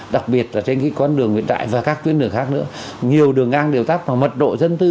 đặc biệt là trên cái con đường nguyễn đại và các tuyến đường khác nữa nhiều đường ngang điều tác mà mật độ dân tư